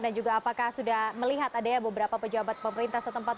dan juga apakah sudah melihat adanya beberapa pejabat pemerintah setempat